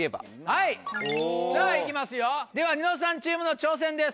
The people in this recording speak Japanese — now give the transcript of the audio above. はいさぁいきますよではニノさんチームの挑戦です。